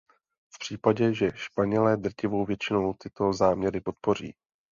V případě, že Španělé drtivou většinou tyto záměry podpoří.